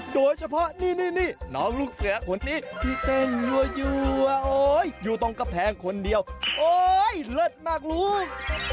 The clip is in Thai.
โดยเฉพาะนี่น้องลูกเสือคนนี้ที่เต้นยัวอยู่ตรงกำแพงคนเดียวโอ๊ยเลิศมากลูก